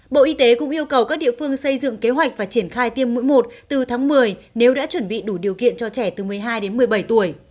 bộ y tế cũng yêu cầu các địa phương xây dựng kế hoạch và triển khai tiêm mũi một từ tháng một mươi nếu đã chuẩn bị đủ điều kiện cho trẻ từ một mươi hai đến một mươi bảy tuổi